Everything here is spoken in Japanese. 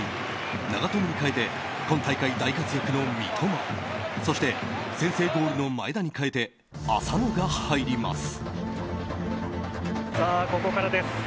長友に代えて今大会、大活躍の三笘そして先制ゴールの前田に代えて浅野が入ります。